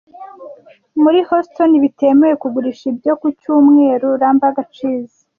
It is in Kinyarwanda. Muri Huston bitemewe kugurisha ibyo ku cyumweru Limburger Cheese